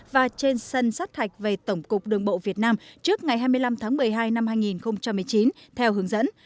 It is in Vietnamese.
và trên sân sát hạch về tổng cục đường bộ việt nam trước ngày hai mươi năm tháng một mươi hai năm hai nghìn một mươi chín theo hướng dẫn